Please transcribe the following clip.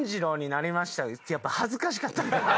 やっぱ恥ずかしかったんかな。